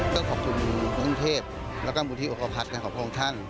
ก็ขอบคุณกรุงเทพแล้วก็มูลที่อคพัฒน์ของพระองค์ท่าน